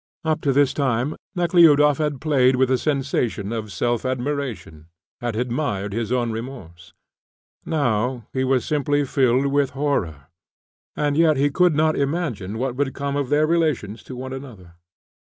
Up to this time Nekhludoff had played with a sensation of self admiration, had admired his own remorse; now he was simply filled with horror. He knew he could not throw her up now, and yet he could not imagine what would come of their relations to one another.